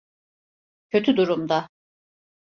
Kötü durumda.